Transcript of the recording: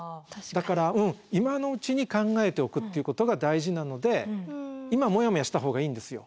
だから今のうちに考えておくっていうことが大事なので今モヤモヤした方がいいんですよ。